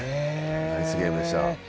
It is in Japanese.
ナイスゲームでした。